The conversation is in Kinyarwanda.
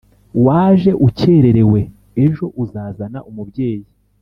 Waje ukererewe ejo uzazana umubyeyi